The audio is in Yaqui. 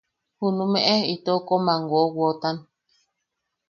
Junumeʼe itou kom am wowotan.